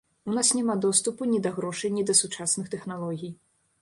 У нас няма доступу ні да грошай, ні да сучасных тэхналогій.